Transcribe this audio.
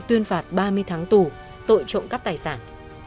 tuyên phạt ba mươi tháng tù tội trộm cắp tài sản